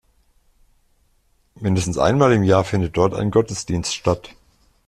Mindestens einmal im Jahr findet dort ein Gottesdienst statt.